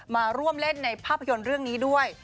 มาร่วมเล่นในภาพยนตร์เรื่องนี้ด้วย